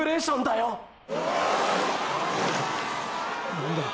何だ